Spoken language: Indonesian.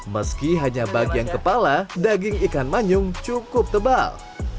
meski hanya bagian kepala daging ikan manyung cukup tebal